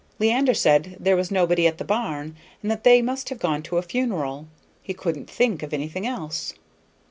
Leander said there was nobody at the barn, and that they must have gone to a funeral; he couldn't think of anything else.